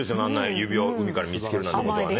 指輪を海から見つけるなんてことはね。